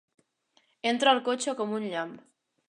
Entra al cotxe com un llamp.